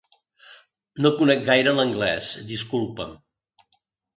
No conec gaire l'anglés, disculpa'm.